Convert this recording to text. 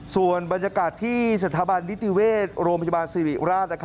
ส่วนบรรยากาศที่สถาบันนิติเวชโรงพยาบาลสิริราช